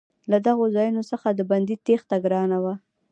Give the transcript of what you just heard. له دغو ځایونو څخه د بندي تېښته ګرانه وه.